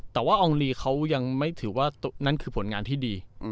แต่ว่าอองลีเขายังไม่ถือว่านั่นคือผลงานที่ดี